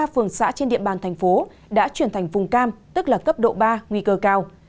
ba phường xã trên địa bàn thành phố đã chuyển thành vùng cam tức là cấp độ ba nguy cơ cao